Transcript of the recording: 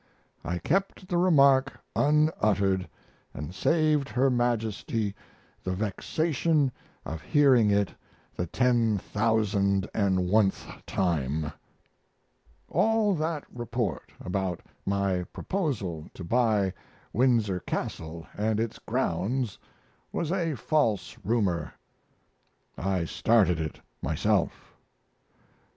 I kept the remark unuttered and saved her Majesty the vexation of hearing it the ten thousand and oneth time. All that report about my proposal to buy Windsor Castle and its grounds was a false rumor. I started it myself.